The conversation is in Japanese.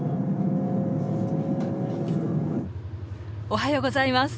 おはようございます！